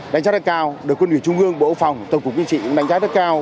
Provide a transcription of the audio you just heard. đánh giá rất cao được quân ủy trung ương bộ phòng tổ quốc quân trị đánh giá rất cao